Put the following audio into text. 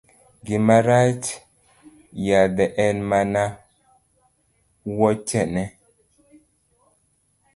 Gima rach yadhe en mana wuochene.